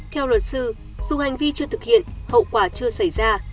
theo luật sư dù hành vi chưa thực hiện hậu quả chưa xảy ra